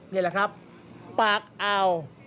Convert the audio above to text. นี่แหละครับปากอ่าว